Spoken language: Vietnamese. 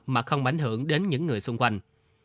mà không bảnh hưởng đến những người xung quanh